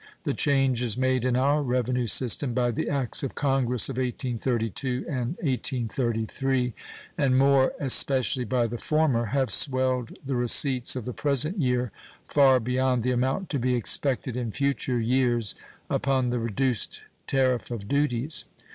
The changes made in our revenue system by the acts of Congress of 1832 and 1833, and more especially by the former, have swelled the receipts of the present year far beyond the amount to be expected in future years upon the reduced tariff of duties.